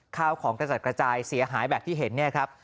ข้าวของกระจัดกระจายเสียหายแบบที่เห็นเนี่ยครับ